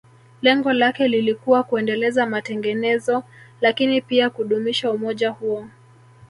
Lengo lake lilikuwa kuendeleza matengenezo lakini pia kudumisha umoja huo